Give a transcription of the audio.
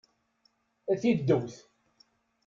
A tiddewt!